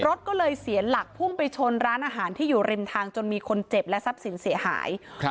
รถก็เลยเสียหลักพุ่งไปชนร้านอาหารที่อยู่ริมทางจนมีคนเจ็บและทรัพย์สินเสียหายครับ